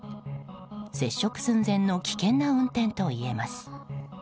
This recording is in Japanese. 接触寸前の危険な運転といえます。